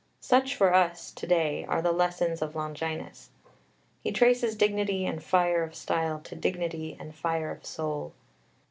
Such for us to day are the lessons of Longinus. He traces dignity and fire of style to dignity and fire of soul.